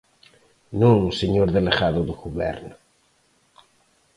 Non señor delegado do Goberno.